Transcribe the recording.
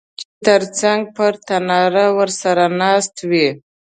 چي تر څنګ په تناره راسره ناست وې